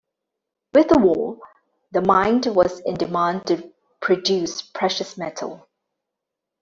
With the war, the mine was in demand to produce precious metal.